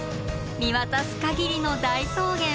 見渡す限りの大草原。